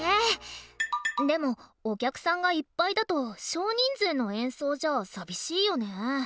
でもお客さんがいっぱいだと少人数の演奏じゃ寂しいよね？